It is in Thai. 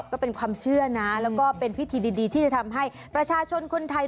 ก็เป็นความเชื่อนะแล้วก็เป็นพิธีดีที่จะทำให้ประชาชนคนไทย